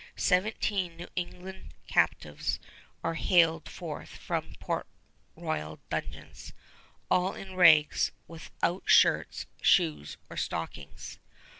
Seventeen New England captives are hailed forth from Port Royal dungeons, "all in rags, without shirts, shoes, or stockings."